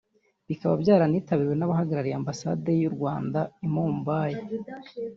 bikaba byaranitabiriwe n’abahagarariye ambasade y’u Rwanda i Mumbai